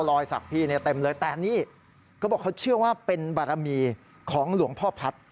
ศักดิ์พี่เนี่ยเต็มเลยแต่นี่เขาบอกเขาเชื่อว่าเป็นบารมีของหลวงพ่อพัฒน์